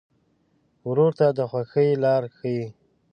ورور ته د خوښۍ لاره ښيي.